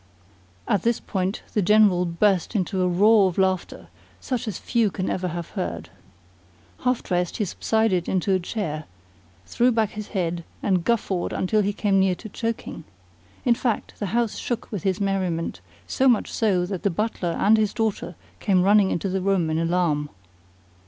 At this point the General burst into a roar of laughter such as few can ever have heard. Half dressed, he subsided into a chair, threw back his head, and guffawed until he came near to choking. In fact, the house shook with his merriment, so much so that the butler and his daughter came running into the room in alarm.